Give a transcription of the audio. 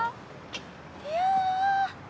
いや！